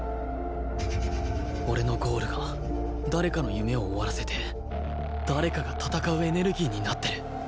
俺のゴールが誰かの夢を終わらせて誰かが戦うエネルギーになってる